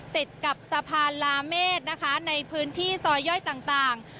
ติดกับสะพานลาเมฆนะคะในพื้นที่ซอยย่อยต่าง